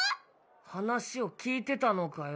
話を聞いてたのかよ？